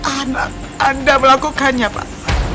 anak anda melakukannya pak